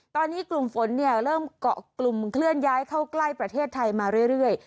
ตอนนี้กลุ่มฝนเริ่มเกาะกลุ่มเคลื่อนย้ายเข้าใกล้ประเทศไทยมาเรื่อย